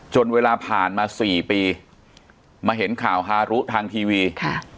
เวลาผ่านมาสี่ปีมาเห็นข่าวฮารุทางทีวีค่ะ